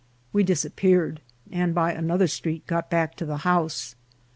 We disappeared, and by another street got back to the house.